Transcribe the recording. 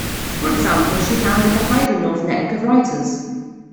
For example, she founded the Hydra North network of writers.